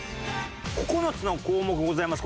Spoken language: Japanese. ９つの項目ございます。